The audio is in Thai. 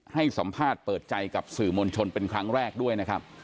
ให้สัมภาษณ์เปิดใจกับสื่อมวลชนเป็นครั้งแรกด้วยนะครับ